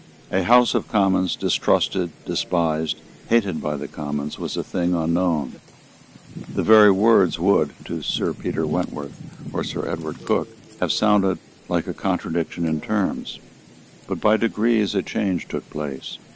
A House of Commons, distrusted, despised, hated by the Commons, was a thing unknown. The very words would, to Sir Peter Wentworth or Sir Edward Coke, have sounded like a contradiction in terms. But by degrees a change took place.